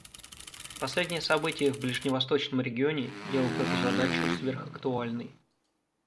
Последние события в ближневосточном регионе делают эту задачу сверхактуальной.